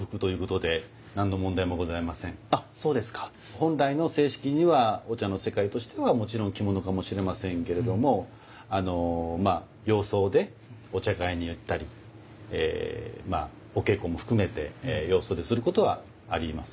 本来の正式にはお茶の世界としてはもちろん着物かもしれませんけれども洋装でお茶会に行ったりお稽古も含めて洋装ですることはあります。